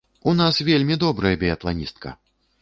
У вас вельмі добрая біятланістка!